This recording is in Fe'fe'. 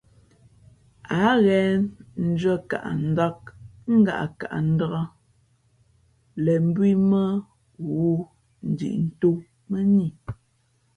Ǎ ghen ndʉ̄ᾱnkaʼndāk ngaʼkaʼndāk lēn mbū ī mά ghoōndiʼtōʼ mᾱ nά i.